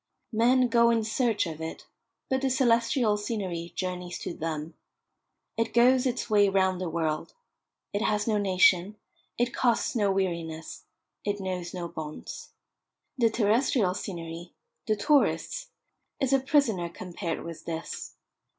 Men go in search of it; but the celestial scenery journeys to them. It goes its way round the world. It has no nation, it costs no weariness, it knows no bonds. The terrestrial scenery the tourist's is a prisoner compared with this.